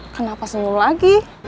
kenapa senyum lagi